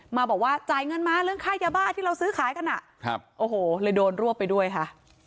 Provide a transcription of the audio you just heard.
มาบอกว่าจ่ายเงินมาเรื่องค่ายาบ้าที่เราซื้อขายกันอ่ะครับโอ้โหเลยโดนรวบไปด้วยค่ะ